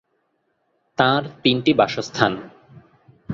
তাঁর তিনটি বাসস্থান।